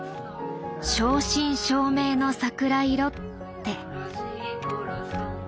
「正真正銘の桜色」って。